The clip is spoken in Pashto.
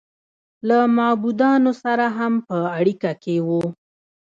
له معبودانو سره هم په اړیکه کې و.